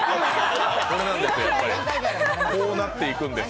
こうなっていくんですよ。